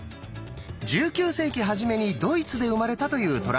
１９世紀初めにドイツで生まれたというトランプゲームです。